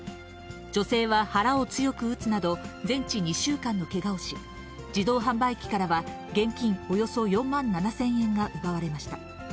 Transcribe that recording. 女性は腹を強く打つなど、全治２週間のけがをし、自動販売機からは、現金およそ４万７０００円が奪われました。